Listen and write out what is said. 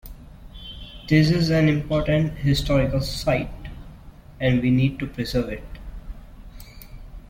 This is an important historical site, and we need to preserve it.